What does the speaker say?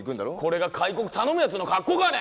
これが開国頼むやつの格好かね。